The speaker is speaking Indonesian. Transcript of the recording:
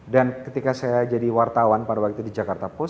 dan ketika saya jadi wartawan pada waktu itu di jakarta post